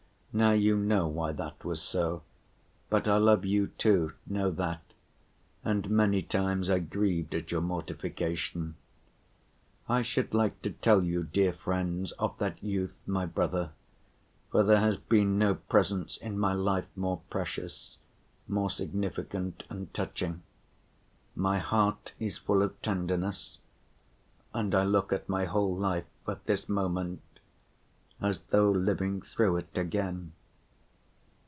Now you know why that was so, but I love you too, know that, and many times I grieved at your mortification. I should like to tell you, dear friends, of that youth, my brother, for there has been no presence in my life more precious, more significant and touching. My heart is full of tenderness, and I look at my whole life at this moment as though living through it again."